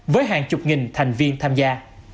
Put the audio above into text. với hàng chục nghìn thành viên tham gia